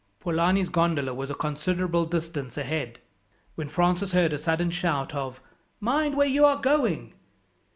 Polani's gondola was a considerable distance ahead, when Francis heard a sudden shout of, "Mind where you are going!"